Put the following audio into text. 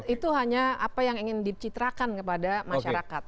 itu hanya apa yang ingin dicitrakan kepada masyarakat